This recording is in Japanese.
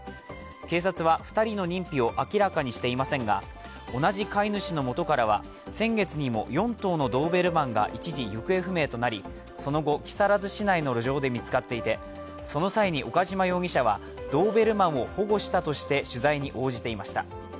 警察は２人の認否を明らかにしていませんが同じ飼い主のもとからは先月にも４頭のドーベルマンが一時、行方不明となり、その後、木更津市内の路上で見つかっていてその際に岡島容疑者はドーベルマンを保護したとして取材に応じていました。